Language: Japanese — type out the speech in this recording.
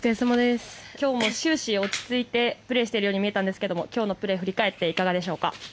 今日も終始落ち着いてプレーしているように見えましたが今日のプレー振り返っていかがでしょうか？